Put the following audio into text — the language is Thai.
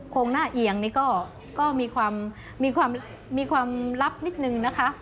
โครงหน้าเอียงนี่ก็มีความลับนิดนึงนะคะ